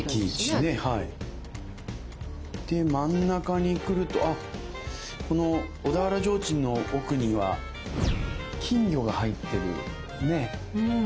で真ん中にくるとこの小田原ぢょうちんの奥には金魚が入ってるね！